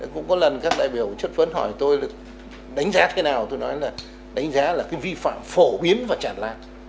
cũng có lần các đại biểu chất phấn hỏi tôi là đánh giá thế nào tôi nói là đánh giá là cái vi phạm phổ biến và chản lạc